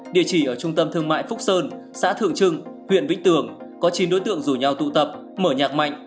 địa chỉ ở trung tâm thương mại phúc sơn xã thượng trưng huyện vĩnh tường có chín đối tượng rủ nhau tụ tập mở nhạc mạnh